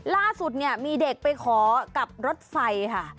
ล่าสุดเนี่ยมีเด็กไปขอกับรถไฟค่ะ